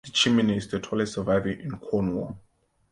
The chimney is the tallest surviving in Cornwall.